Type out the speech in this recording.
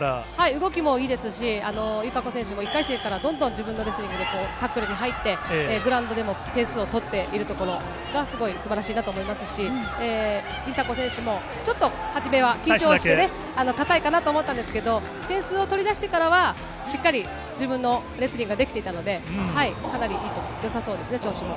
動きもいいですし、友香子選手も１回戦からどんどん自分のレスリングで、タックルに入って、グラウンドでも点数を取っているところが、すごいすばらしいなと思いますし、梨紗子選手も、ちょっと始めは緊張して、固いかなと思ったんですけど、点数を取りだしてからは、しっかり、自分のレスリングができていたので、かなりいいと、よさそうですね、調子も。